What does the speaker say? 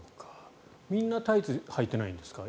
みんなタイツをはいてないんですか？